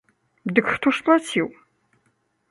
Дык хто ж плаціў?